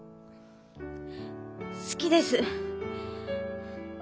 好きです。